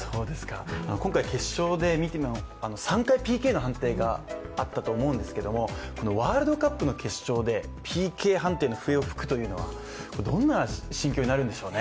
今回、決勝で３回ＰＫの判定があったと思うんですけど、ワールドカップの決勝でＰＫ判定の笛を吹くというのはどんな心境になるんでしょうね。